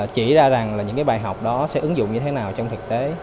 chỉ ra rằng những bài học đó sẽ ứng dụng như thế nào trong thực tế